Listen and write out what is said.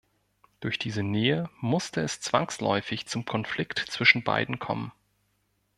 Durch diese Nähe musste es zwangsläufig zum Konflikt zwischen beiden kommen.